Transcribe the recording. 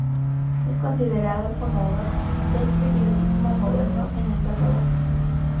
Es considerado el fundador del periodismo moderno en El Salvador.